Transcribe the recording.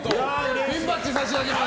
ピンバッジを差し上げます。